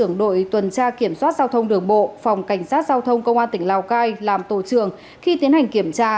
giao thông đường bộ phòng cảnh sát giao thông công an tỉnh lào cai làm tổ trường khi tiến hành kiểm tra